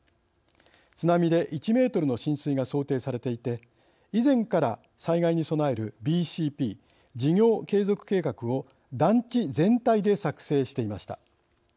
津波で１メートルの浸水が想定されていて以前から災害に備えるＢＣＰ＝事業継続計画を団地全体で作成していました。